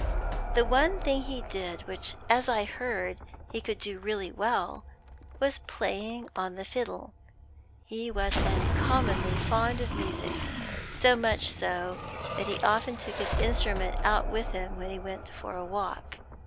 The one thing he did, which, as I heard, he could really do well, was playing on the fiddle. He was uncommonly fond of music so much so that he often took his instrument out with him when he went for a walk.